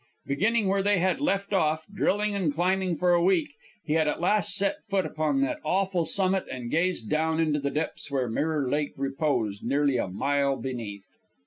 Beginning where they had left off, drilling and climbing for a week, he had at last set foot upon that awful summit and gazed down into the depths where Mirror Lake reposed, nearly a mile beneath.